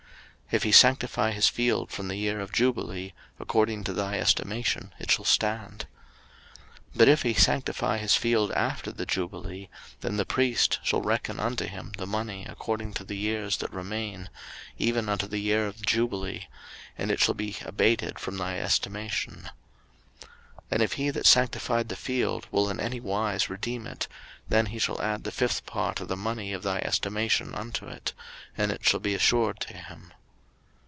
03:027:017 If he sanctify his field from the year of jubile, according to thy estimation it shall stand. 03:027:018 But if he sanctify his field after the jubile, then the priest shall reckon unto him the money according to the years that remain, even unto the year of the jubile, and it shall be abated from thy estimation. 03:027:019 And if he that sanctified the field will in any wise redeem it, then he shall add the fifth part of the money of thy estimation unto it, and it shall be assured to him.